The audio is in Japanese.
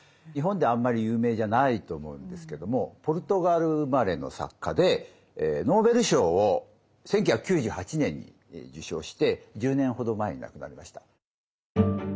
日本ではあんまり有名じゃないと思うんですけどもポルトガル生まれの作家でノーベル賞を１９９８年に受賞して１０年ほど前に亡くなりました。